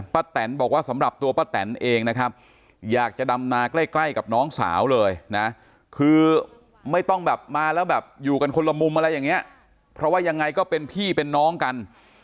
แตนบอกว่าสำหรับตัวป้าแตนเองนะครับอยากจะดำนาใกล้ใกล้กับน้องสาวเลยนะคือไม่ต้องแบบมาแล้วแบบอยู่กันคนละมุมอะไรอย่างนี้เพราะว่ายังไงก็เป็นพี่เป็นน้องกัน